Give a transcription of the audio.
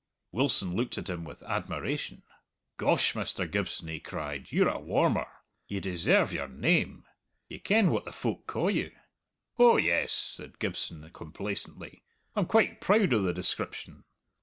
Wilson looked at him with admiration. "Gosh, Mr. Gibson," he cried, "you're a warmer! Ye deserve your name. Ye ken what the folk ca' you?" "Oh yes," said Gibson complacently. "I'm quite proud o' the description."